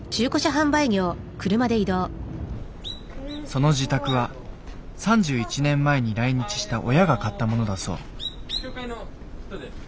その自宅は３１年前に来日した親が買ったものだそう。